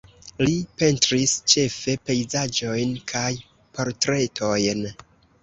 Li pentris ĉefe pejzaĝojn kaj portretojn.